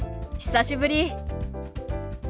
久しぶり。